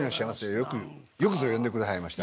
よくよくぞ呼んでくださいました。